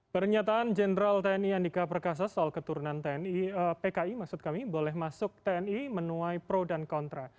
pernyataan jenderal tni andika perkasa soal keturunan tni pki maksud kami boleh masuk tni menuai pro dan kontra